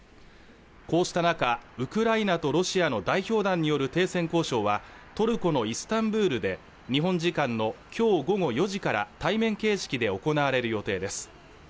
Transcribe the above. こうした中ウクライナとロシアの代表団による停戦交渉はトルコのイスタンブールで日本時間のきょう午後４時から対面形式で行われる予定です